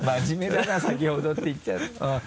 真面目だな「先ほど」って言っちゃう。